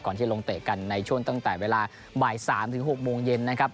ที่ลงเตะกันในช่วงตั้งแต่เวลาบ่าย๓๖โมงเย็นนะครับ